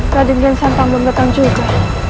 radyen kian santang belum datang juga